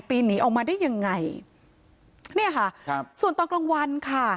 ปีนหนีออกมาได้ยังไงเนี่ยค่ะครับส่วนตอนกลางวันค่ะ